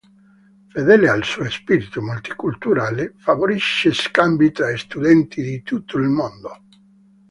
Fedele al suo spirito multiculturale, favorisce scambi tra studenti di tutto il mondo.